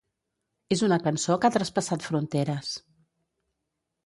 És una cançó que ha traspassat fronteres.